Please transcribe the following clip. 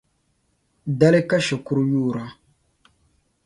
Dali ka shikuru yoora.